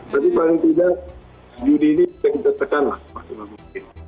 tapi paling tidak judi ini kita tekan lah